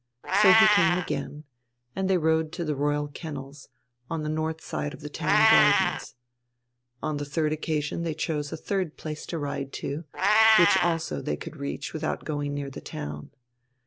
So he came again; and they rode to the Royal Kennels, on the north side of the Town Gardens; on the third occasion they chose a third place to ride to, which also they could reach without going near the town.